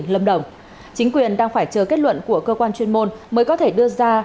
lâm đồng chính quyền đang phải chờ kết luận của cơ quan chuyên môn mới có thể đưa ra